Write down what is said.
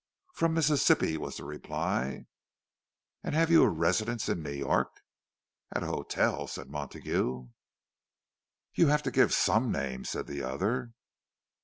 "From Mississippi," was the reply. "And have you a residence in New York?" "At a hotel," said Montague. "You have to give some name," said the other.